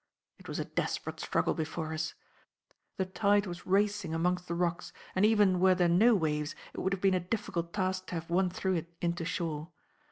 It was a desperate struggle before us. The tide was racing amongst the rocks, and even were there no waves it would have been a difficult task to have won through it into shore.